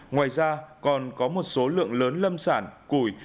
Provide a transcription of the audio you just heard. ngoài ra còn có một số lượng lớn lâm sản củi